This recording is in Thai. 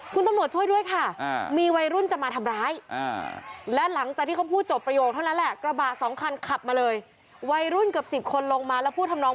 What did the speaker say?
คุณตำรวจช่วยด้วยค่ะ